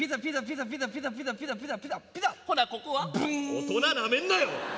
大人なめんなよ！